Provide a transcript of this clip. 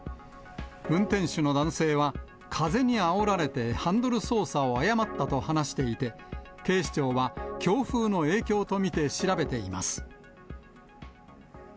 運転手の男性は、風にあおられてハンドル操作を誤ったと話していて、警視庁は強風の影響と見て調べています。